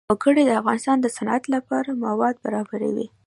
وګړي د افغانستان د صنعت لپاره مواد برابروي.